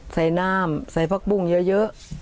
ใส่น้ำใส่ผักบุ้งเยอะ